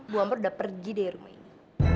bu ambar udah pergi deh rumah ini